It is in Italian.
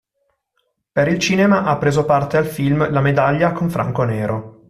Per il cinema ha preso parte al film "La Medaglia" con Franco Nero.